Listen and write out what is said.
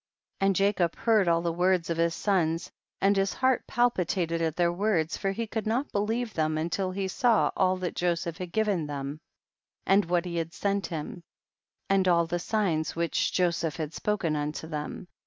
103. And Jacob heard all the words of his sons, and his heart palpitated at their words, for he could not be lieve them until he saw all that Jo seph had given them and what he 12 had sent him, and all the signs which Joseph had spoken unto them.